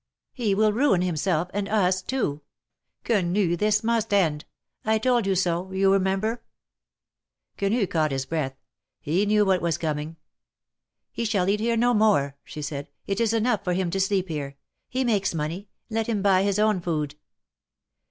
He will ruin himself, and us too. Quenu, this must end. I told you so, you remember." Quenu caught his breath. He knew what was coming. He shall eat here no more," she said. It is enough THE MARKETS OF PARIS. 199 for him to sleep here. He makes money ; let him buy his own food."